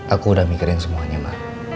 aku udah mikirin semuanya mah